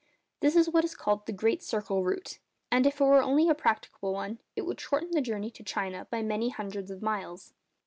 This is what is called the great circle route; and if it were only practicable one, would shorten the journey to China by many hundreds of miles.